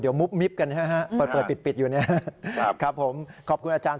เดี๋ยวมุบมิบกันใช่ครับเปิดปิดอยู่นะครับครับผมขอบคุณอาจารย์